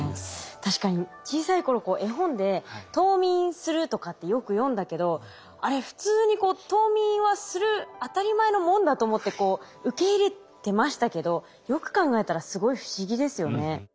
確かに小さい頃絵本で冬眠するとかってよく読んだけどあれ普通に冬眠はする当たり前のもんだと思ってこう受け入れてましたけどよく考えたらすごい不思議ですよね。